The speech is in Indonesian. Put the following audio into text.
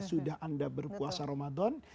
sudah anda berpuasa ramadan